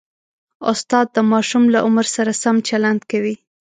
استاد د ماشوم له عمر سره سم چلند کوي.